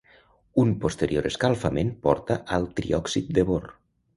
Un posterior escalfament porta al triòxid de bor.